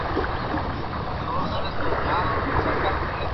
El Sector V fue enviado a protegerlo de los Ninjas Adolescentes.